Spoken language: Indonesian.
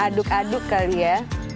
aduk aduk kali ya